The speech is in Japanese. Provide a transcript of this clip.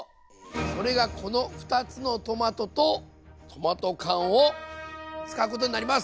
それがこの２つのトマトとトマト缶を使うことになります。